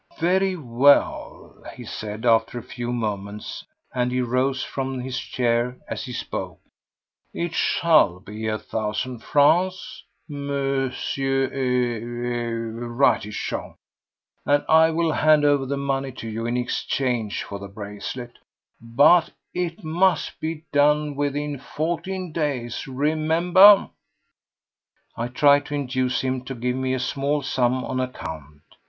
"Very well," he said, after a few moments, and he rose from his chair as he spoke; "it shall be a thousand francs, M.—er—er—Ratichon, and I will hand over the money to you in exchange for the bracelet—but it must be done within fourteen days, remember." I tried to induce him to give me a small sum on account.